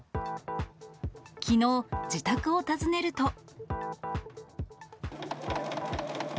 きのう、自宅を訪ねると。